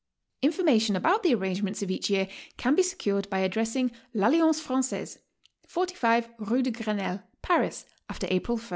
Information about the arrangements of each year can be secured by addressing L' Alliance Francaise, 45, Rue de Crenelle, Paris, after April i.